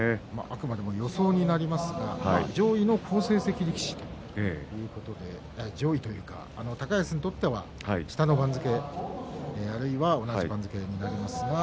あくまでも予想になりますが上位の好成績力士ということで高安にとっては下の番付あるいは同じ番付になりますが。